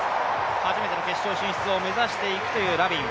初めての決勝進出を目指していくというラビン。